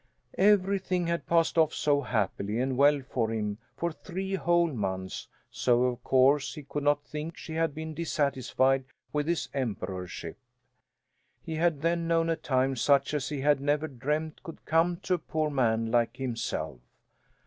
Everything had passed off so happily and well for him for three whole months, so of course he could not think she had been dissatisfied with his emperorship. He had then known a time such as he had never dreamed could come to a poor man like himself.